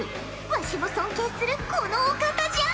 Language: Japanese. わしも尊敬するこのお方じゃ！